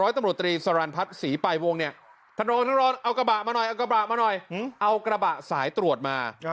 ท่านรองท่านรองเอากระบะมาหน่อยเอากระบะสายตรวจมา